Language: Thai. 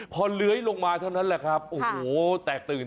พอเลื้อยลงมาเท่านั้นแหละครับโอ้โหแตกตื่น